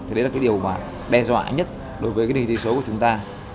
thế đấy là cái điều mà đe dọa nhất đối với cái kinh tế số của chúng ta